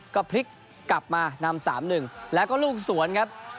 ก็พลิกกลับมานำ๓๑แล้วก็ลูกสวนครับ